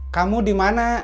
kamu di mana